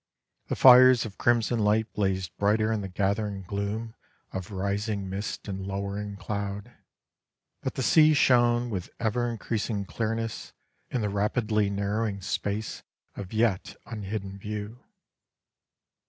The fires of crimson light blazed brighter in the gathering gloom of rising mist and lowering cloud, but the sea shone with ever increasing clearness in the rapidly narrowing space of yet unhidden view.